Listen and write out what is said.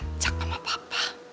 ga diajak sama papa